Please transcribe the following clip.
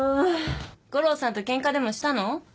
悟郎さんとケンカでもしたの？